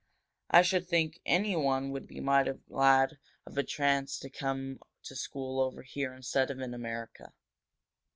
"I should think anyone would be mighty glad of a chance to come to school over here instead of in America!